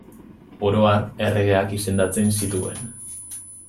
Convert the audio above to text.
Oro har, erregeak izendatzen zituen.